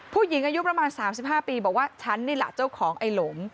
ผู้หญิงอายุประมาณ๓๕ปีบอกว่าฉันนี่แหละเจ้าของไอ้หลม